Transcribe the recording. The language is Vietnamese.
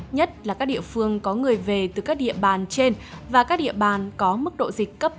nhất là các địa phương có người về từ các địa bàn trên và các địa bàn có mức độ dịch cấp